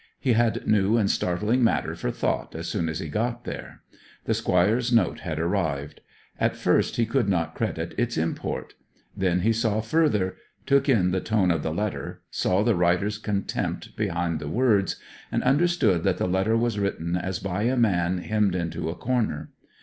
He had new and startling matter for thought as soon as he got there. The Squire's note had arrived. At first he could not credit its import; then he saw further, took in the tone of the letter, saw the writer's contempt behind the words, and understood that the letter was written as by a man hemmed into a corner.